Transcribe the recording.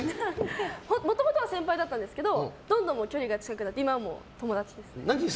もともとは先輩だったんですけどどんどん距離が近くなって今は友達です。